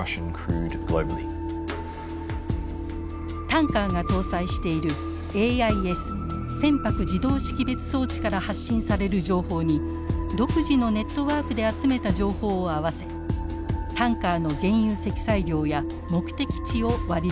タンカーが搭載しているＡＩＳ船舶自動識別装置から発信される情報に独自のネットワークで集めた情報を合わせタンカーの原油積載量や目的地を割り出しています。